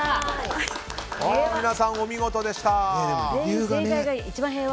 皆さん、お見事でした。